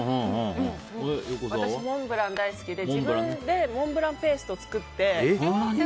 私、モンブラン大好きで自分でモンブランペーストを作って。